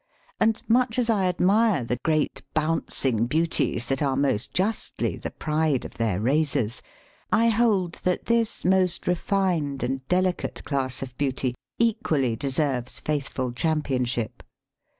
And much as I admire the great bouncing beauties that are most justly the pride of their raisers, I hold that this most refined and delicate class of beauty equally deserves faithful championship.